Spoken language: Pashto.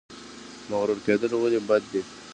مغرور کیدل ولې بد دي؟